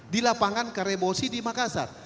di lapangan karemosi di makassar